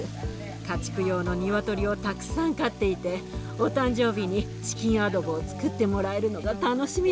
家畜用のニワトリをたくさん飼っていてお誕生日にチキンアドボをつくってもらえるのが楽しみでした。